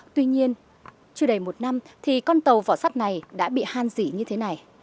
tuy nhiên chưa đầy một năm thì con tàu vỏ sắt này đã bị han dỉ như thế này